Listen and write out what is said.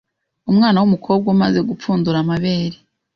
Umwana w’umukobwa umaze gupfundura amabere